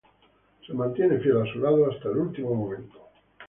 Se mantiene fiel a su lado hasta el último momento.